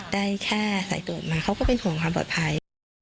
ได้แค่สายตรวจมาเขาก็เป็นห่วงความปลอดภัย